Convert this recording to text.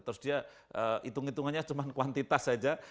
terus dia hitung hitungannya cuma kuantitas saja